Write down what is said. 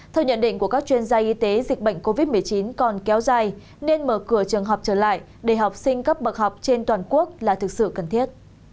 theo nhận định của các chuyên gia y tế dịch bệnh covid một mươi chín còn kéo dài nên mở cửa trường học trở lại để học sinh cấp bậc học trên toàn quốc là thực sự cần thiết